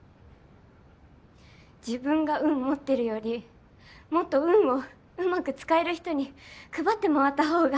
自分が運持ってるよりもっと運をうまく使える人に配って回った方が。